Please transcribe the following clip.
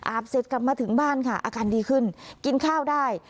เสร็จกลับมาถึงบ้านค่ะอาการดีขึ้นกินข้าวได้